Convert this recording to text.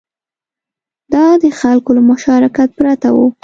دا د خلکو له مشارکت پرته و